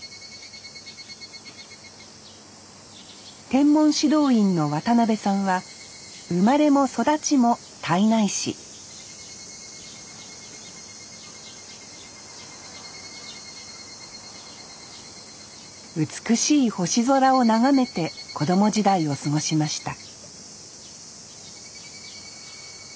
天文指導員の渡辺さんは生まれも育ちも胎内市美しい星空を眺めて子供時代を過ごしました